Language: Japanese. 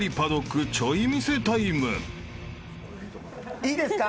いいですか？